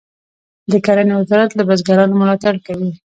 د کرنې وزارت له بزګرانو ملاتړ کوي